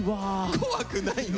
怖くないのよ。